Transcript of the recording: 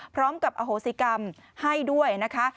พร้อมกับอโหสิกรรมให้ด้วยนะคะ